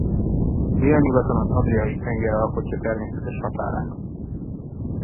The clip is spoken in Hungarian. Délnyugaton az Adriai-tenger alkotja természetes határát.